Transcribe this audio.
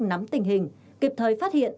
nắm tình hình kịp thời phát hiện